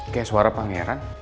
kayak suara pangeran